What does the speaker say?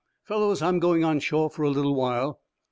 "Fellows, I'm going on shore for a little while.